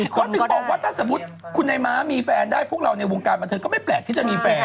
เขาถึงบอกว่าถ้าสมมุติคุณนายม้ามีแฟนได้พวกเราในวงการบันเทิงก็ไม่แปลกที่จะมีแฟน